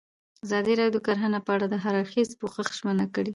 ازادي راډیو د کرهنه په اړه د هر اړخیز پوښښ ژمنه کړې.